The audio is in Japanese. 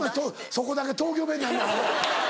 そこだけ東京弁になんねんアホ。